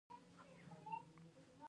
تنه د نبات ستون دی